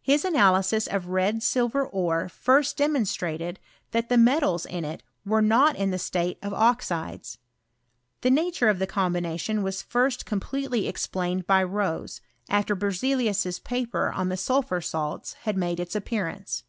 His analysis of red silver ore first demonstrated that the metals in it were not in the stale of oxides. The nature of the combination was first completely explained by Rose, after Berzelius's paper on the sulphur salts had mode its appearance.